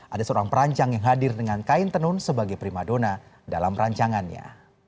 ada seorang perancang yang hadir dengan kain tenun sebagai primadona dalam perancangannya